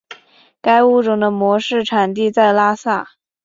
该物种的模式产地在拉萨。